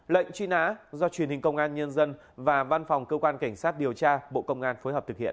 lệnh truy nã do truyền hình công an nhân dân và văn phòng cơ quan cảnh sát điều tra bộ công an phối hợp thực hiện